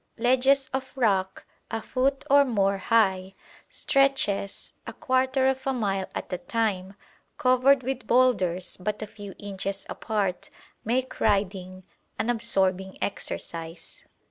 Ledges of rock a foot or more high; stretches, a quarter of a mile at a time, covered with boulders but a few inches apart, make riding an absorbing exercise.